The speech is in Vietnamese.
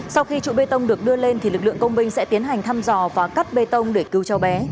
sau khi trụ bê tông được đưa lên thì lực lượng công binh sẽ tiến hành thăm dò và cắt bê tông để cứu cháu bé